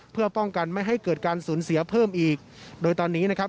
เพื่อป้องกันไม่ให้เกิดการสูญเสียเพิ่มอีกโดยตอนนี้นะครับ